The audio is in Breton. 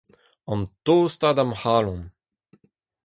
an tostañ da'm c'halon